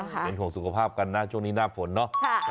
เป็นห่วงสุขภาพกันนะช่วงนี้หน้าฝนเนอะ